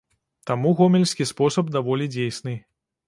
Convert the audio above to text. Таму гомельскі спосаб даволі дзейсны.